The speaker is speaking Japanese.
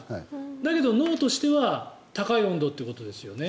だけど、脳としては高い温度ということですよね。